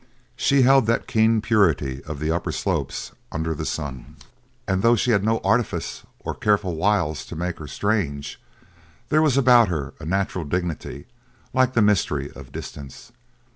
She held that keen purity of the upper slopes under the sun, and though she had no artifice or careful wiles to make her strange, there was about her a natural dignity like the mystery of distance.